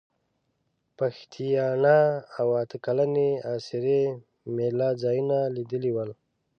پښتیاڼا او اته کلنې اسرې مېله ځایونه لیدلي ول.